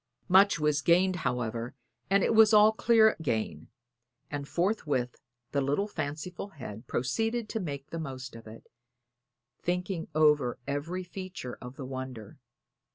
Much was gained, however, and it was all clear gain; and forthwith the little fanciful head proceeded to make the most of it, thinking over every feature of the wonder.